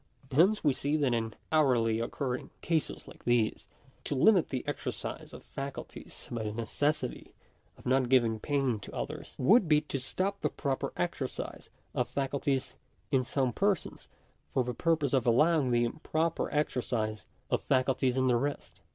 Hence we see that in hourly occurring cases like these, to limit the exercise of faculties by the necessity of not giving pain to others, would be to stop the proper exercise of faculties in some persons, for the purpose of allowing the improper exer cise of faculties in the rest.